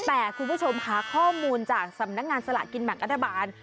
แต่คุณผู้ชมค่ะข้อมูลจากสำนักงานสลากกินแบ่งรัฐบาล